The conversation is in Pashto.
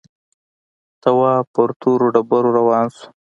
تواب پر تورو ډبرو روان شو.